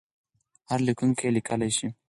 هر لیکونکی یې لیکلای شي.